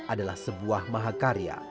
adalah sebuah mahakarya